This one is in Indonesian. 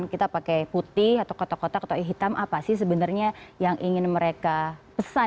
kita pakai putih atau kotak kotak atau hitam apa sih sebenarnya yang ingin mereka pesan